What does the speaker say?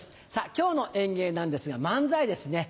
今日の演芸なんですが漫才ですね。